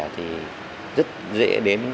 thì rất dễ đến